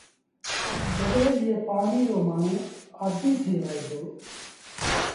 جڏهيݩ ايئي پآڻيٚ رو مآڻهوٚٚݩ آديٚ ٿئي وهي دو۔